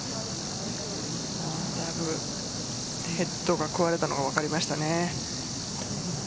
ヘッドが壊れたのが分かりましたね。